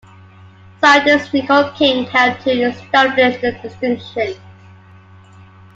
Scientist Nicole King helped to establish the distinction.